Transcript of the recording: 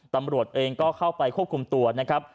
ตำรวจเองก็เข้าไปควบคุมตัวนะครับ